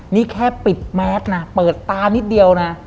นี่แค่ปิดแมสนะเปิดตานิดเดียวนะ